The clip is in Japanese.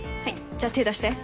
じゃあ手出して。